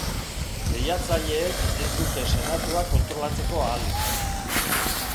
Lehiatzaileek ez dute Senatua kontrolatzeko ahalik.